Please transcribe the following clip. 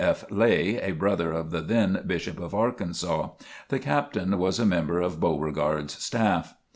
F. Lay, a brother of the then Bishop of Arkansas. The Captain was a member of Beauregard's staff.